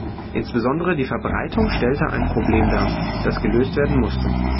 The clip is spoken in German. Insbesondere die Verbreitung stellte ein Problem dar, das gelöst werden musste.